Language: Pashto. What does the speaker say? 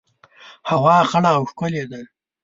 هوا خړه او ښکلي ده